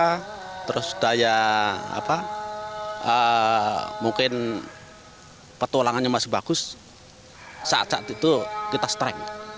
harga terus daya apa mungkin petualangannya masih bagus saat saat itu kita strength